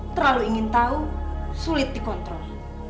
terlalu ingin tahu sulit dikontrol